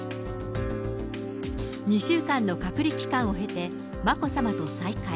２週間の隔離期間を経て、眞子さまと再会。